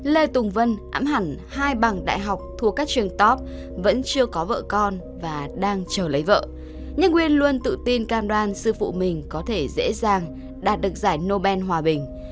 lê tùng vân ám hẳn hai bằng đại học thuộc các trường top vẫn chưa có vợ con và đang chờ lấy vợ nhưng nguyên luôn tự tin cam đoan sư phụ mình có thể dễ dàng đạt được giải nobel hòa bình